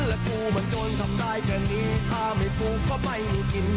และกูมันโดนทำได้แค่นี้ถ้าไม่ปลูกก็ไม่กิน